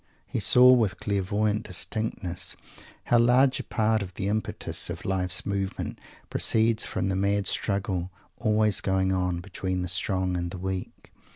He saw, with clairvoyant distinctness, how large a part of the impetus of life's movement proceeds from the mad struggle, always going on, between the strong and the weak.